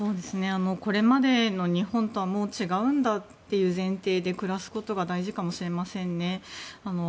これまでの日本とはもう違うんだという前提で暮らすことが大事かもしれませんね。